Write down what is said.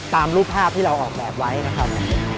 ตามรูปภาพที่เราออกแบบไว้นะครับ